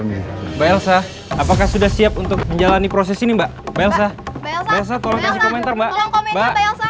msen nelson apakah sudah siap untuk menjalani proses ini mbak belsa bs otro ngitar mbak ba